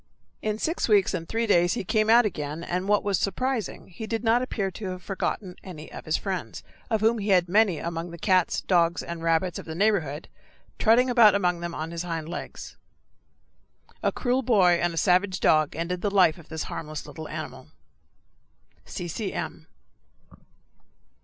In six weeks and three days he again came out, and what was surprising, he did not appear to have forgotten any of his friends, of whom he had many among the cats, dogs, and rabbits of the neighborhood, trotting about among them on his hind legs. A cruel boy and a savage dog ended the life of this harmless little animal. C. C. M.